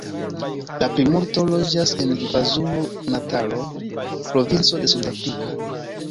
La plimulto loĝas en Kvazulu-Natalo, provinco de Sud-Afriko.